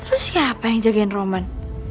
terus siapa yang jagain roman